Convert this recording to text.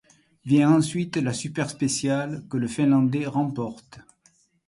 Vient ensuite la super spéciale, que le finlandais remporte.